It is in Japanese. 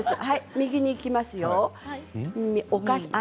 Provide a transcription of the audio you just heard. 右にいきますよ